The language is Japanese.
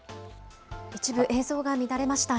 一部映像が乱れました。